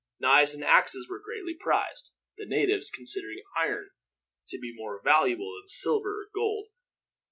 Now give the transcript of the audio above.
Knives and axes were greatly prized, the natives considering iron to be more valuable than silver or gold.